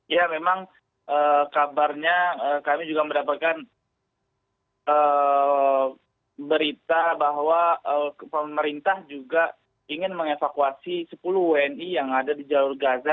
ya memang kabarnya kami juga mendapatkan berita bahwa pemerintah juga ingin mengevakuasi sepuluh wni yang ada di jalur gaza